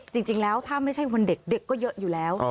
จริงแล้วถ้าไม่ใช่วันเด็กเด็กก็เยอะอยู่แล้ว